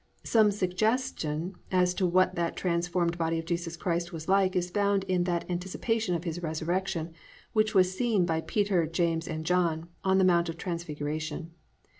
Some suggestion as to what that transformed body of Jesus Christ was like is found in that anticipation of His resurrection which was seen by Peter, James and John on the mount of transfiguration.